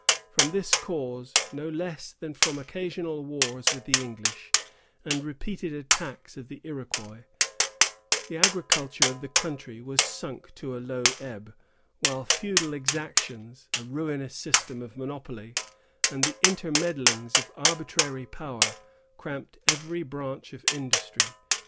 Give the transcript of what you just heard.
From this cause, no less than from occasional wars with the English, and repeated attacks of the Iroquois, the agriculture of the country was sunk to a low ebb; while feudal exactions, a ruinous system of monopoly, and the intermeddlings of arbitrary power, cramped every branch of industry.